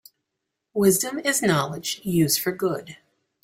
Wisdom is knowledge used for good.